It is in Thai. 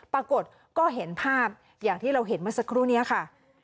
ปรากฏก็เห็นภาพอย่างที่เราเห็นเมื่อสักครู่นี้ค่ะ